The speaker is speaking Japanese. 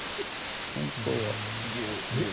本当は。